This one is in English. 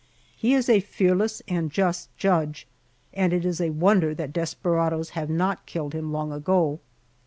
He is a fearless and just judge, and it is a wonder that desperadoes have not killed him long ago.